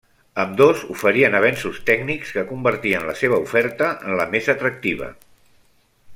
Ambdós oferien avenços tècnics que convertien la seva oferta en la més atractiva.